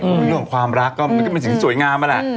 เรื่องของความรักก็มันเป็นสิ่งสวยงามอ่ะนะ